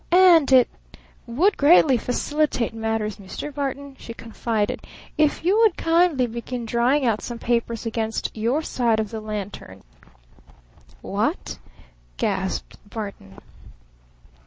"And it would greatly facilitate matters, Mr. Barton," she confided, "if you would kindly begin drying out some papers against your side of the lantern." "What?" gasped Barton.